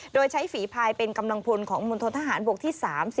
โดยใช้ฝีภายเป็นกำลังพลของมณฑนทหารบกที่๓๔